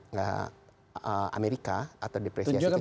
nah itu juga bisa menjadi beban negara lagi gitu kan